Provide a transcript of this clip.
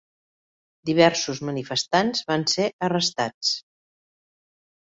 Diversos manifestants van ser arrestats.